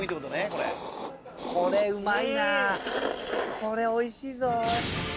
これうまいなぁこれおいしいぞ。